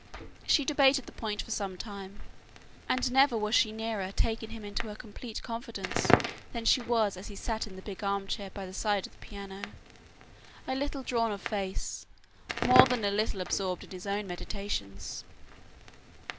She debated the point for some time. And never was she nearer taking him into her complete confidence than she was as he sat in the big armchair by the side of the piano, a little drawn of face, more than a little absorbed in his own meditations.